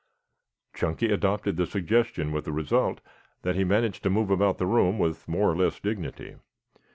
Chunky adopted the suggestion with the result that he managed to move about the room with more or less dignity.